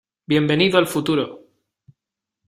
bienvenido al futuro.